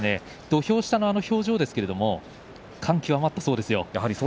土俵下の表情ですけれどもやはり感極まったそうですよ。